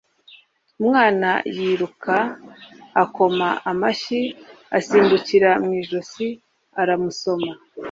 Umwana yiruka akoma amashyi asimbukira mu ijosi aramusoma